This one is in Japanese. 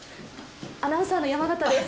アナウンサーの山形です